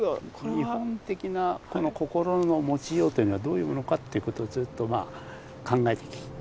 日本的なこの心の持ちようというのはどういうものかということをずっとまあ考えてきたわけなんですよね。